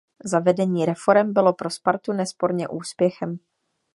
Zavedení reforem bylo pro Spartu nesporně úspěchem.